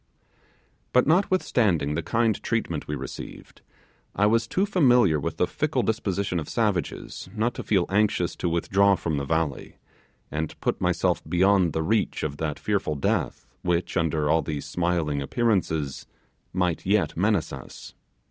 But, notwithstanding the kind treatment we received, I was too familiar with the fickle disposition of savages not to feel anxious to withdraw from the valley, and put myself beyond the reach of that fearful death which, under all these smiling appearances, might yet menace us.